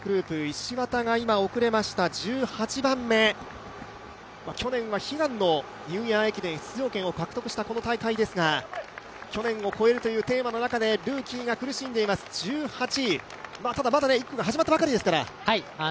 埼玉医科大学グループ、石綿が今、遅れました１８番目、去年は悲願のニューイヤー駅伝出場権を獲得したこの大会ですが、去年を超えるテーマの中でルーキーが苦しんでいます、１８位ただ、１区が始まったばかりですから。